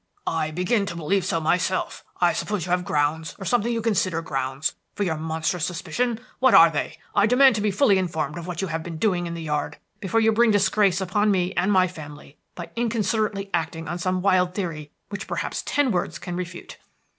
"I begin to believe so myself. I suppose you have grounds, or something you consider grounds, for your monstrous suspicion. What are they? I demand to be fully informed of what you have been doing in the yard, before you bring disgrace upon me and my family by inconsiderately acting on some wild theory which perhaps ten words can refute."